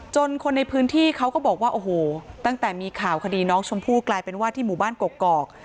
คนในพื้นที่เขาก็บอกว่าโอ้โหตั้งแต่มีข่าวคดีน้องชมพู่กลายเป็นว่าที่หมู่บ้านกกอก